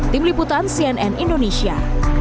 tim liputan cnn indonesia